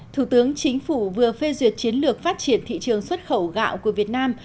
thủ tướng chính phủ vừa phê duyệt chiến lược phát triển thị trường xuất khẩu gạo của việt nam